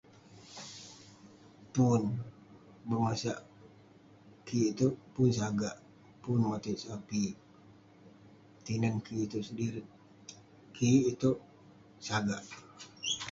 pun bengosak kik itouk, pun sagak, pun motit sapik, tinen kik itouk sedirik, tinen kik itouk sagak